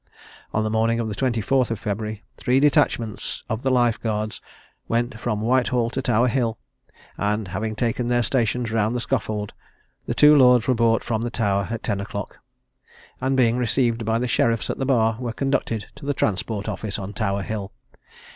On the morning of the 24th of February, three detachments of the life, guards went from Whitehall to Tower hill, and, having taken their stations round the scaffold, the two lords were brought from the Tower at ten o'clock, and, being received by the sheriffs at the bar, were conducted to the transport office on Tower hill.